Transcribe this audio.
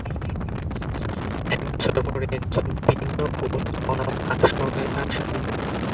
এক বছর পরে, একজন ভিন্ন কোচ অনাথ আশ্রমে আসে।